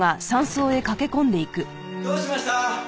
どうしました？